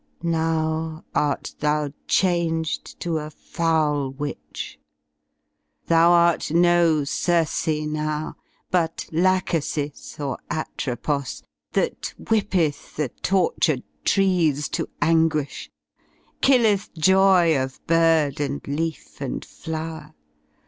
Now art thou changed To afoul witch; thou art no Circe now. But Lachesis or Atropos, thai whippeth The tortured trees to anguish, kill eth joy Of bird and leaf and flower.